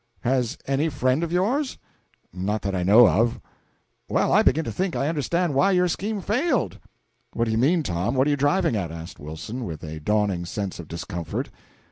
"Has any friend of yours?" "Not that I know of." "Well, I begin to think I understand why your scheme failed." "What do you mean, Tom? What are you driving at?" asked Wilson, with a dawning sense of discomfort.